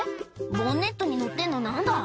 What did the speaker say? ボンネットにのってんの何だ？」